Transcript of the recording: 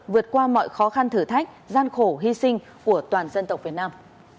vượt qua mọi khó khăn thử thách gian khổ hy sinh của toàn dân tộc việt nam